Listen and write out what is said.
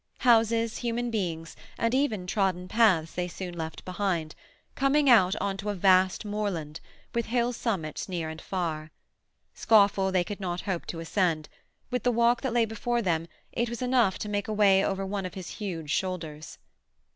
Houses, human beings, and even trodden paths they soon left behind, coming out on to a vast moorland, with hill summits near and far. Scawfell they could not hope to ascend; with the walk that lay before them it was enough to make a way over one of his huge shoulders.